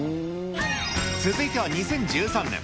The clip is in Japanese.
続いては２０１３年。